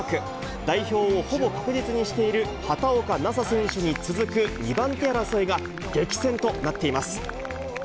代表をほぼ確実にしている畑岡奈紗選手に続く、２番手争いが激戦となっています。